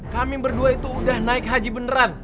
kami berdua itu udah naik haji beneran